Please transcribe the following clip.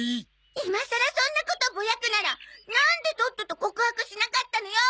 今さらそんなことぼやくならなんでとっとと告白しなかったのよ！